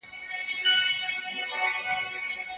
زنا د ټولنې د بربادۍ سبب ګرځي.